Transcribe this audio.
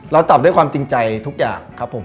ตอบด้วยความจริงใจทุกอย่างครับผม